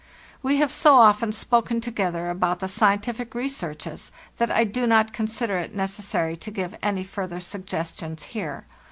"*We have so often spoken together about the scien tific researches, that I do not consider it necessary to give any further suggestions here.